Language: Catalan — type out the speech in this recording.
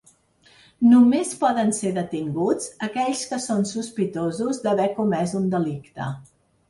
Només poden ser detinguts aquells que són sospitosos d’haver comès un delicte.